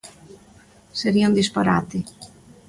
Sería un disparate.